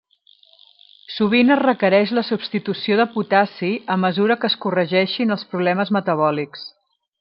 Sovint es requereix la substitució de potassi a mesura que es corregeixin els problemes metabòlics.